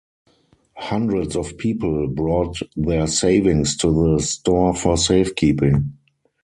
Hundreds of people brought their savings to the store for safekeeping.